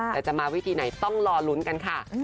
แต่จะมาวิธีไหนต้องรอลุ้นกันค่ะ